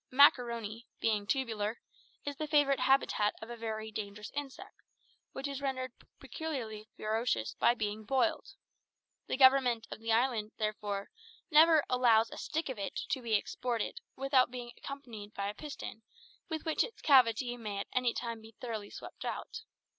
Maccaroni, being tubular, is the favorite habitat of a very dangerous insect, which is rendered peculiarly ferocious by being boiled. The government of the island, therefore, never allows a stick of it to be exported without being accompanied by a piston with which its cavity may at any time be thoroughly swept out.